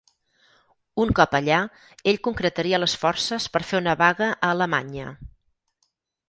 Un cop allà, ell concretaria les forces per fer una vaga a Alemanya.